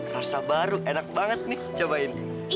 rasa baru enak banget nih cobain